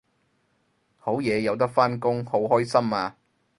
好嘢有得返工好開心啊！